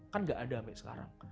kan nggak ada sampai sekarang